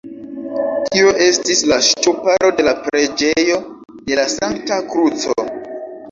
Tio estis la ŝtuparo de la preĝejo de la Sankta Kruco.